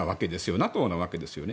ＮＡＴＯなわけですね。